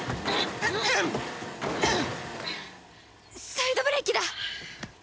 サイドブレーキだ！